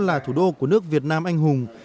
là thủ đô của nước việt nam anh hùng